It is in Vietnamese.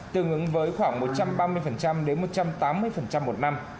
tương ứng với khoảng một trăm ba mươi đến một trăm tám mươi một năm